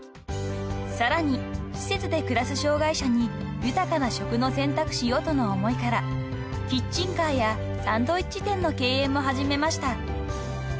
［さらに施設で暮らす障害者に豊かな食の選択肢をとの思いからキッチンカーやサンドイッチ店の経営も始めました］